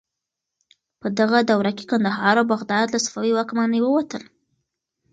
په دغه دوره کې کندهار او بغداد له صفوي واکمنۍ ووتل.